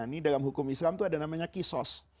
ini dalam hukum islam itu ada namanya kisos